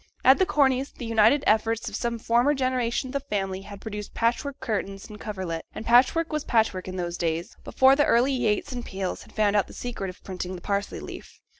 At the Corneys', the united efforts of some former generation of the family had produced patchwork curtains and coverlet; and patchwork was patchwork in those days, before the early Yates and Peels had found out the secret of printing the parsley leaf.